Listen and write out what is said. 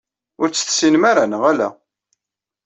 Ur tt-tessinem ara, neɣ ala?